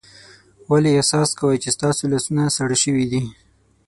ولې احساس کوئ چې ستاسو لاسونه ساړه شوي دي؟